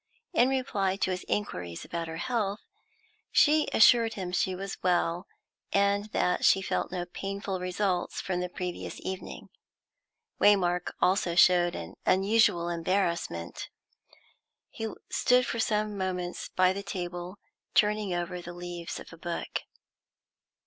In reply to his inquiries about her health, she assured him she was well, and that she felt no painful results from the previous evening. Waymark also showed an unusual embarrassment. He stood for some moments by the table, turning over the leaves of a book.